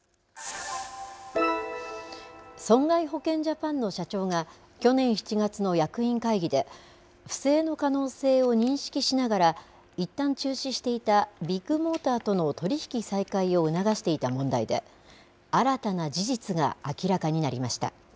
損害保険ジャパンの社長が去年７月の役員会議で不正の可能性を認識しながらいったん中止していたビッグモーターとの取り引き再開を促していた問題で新たな事実が明らかになりました。